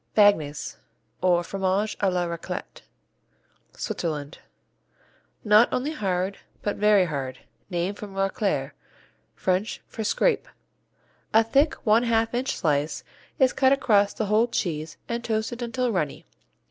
Bagnes, or Fromage à la Raclette Switzerland Not only hard but very hard, named from racler, French for "scrape." A thick, one half inch slice is cut across the whole cheese and toasted until runny.